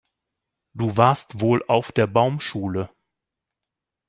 Du warst wohl auf der Baumschule.